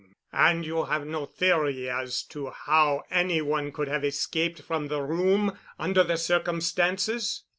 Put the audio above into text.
And you have no theory as to how any one could have escaped from the room under the circumstances?"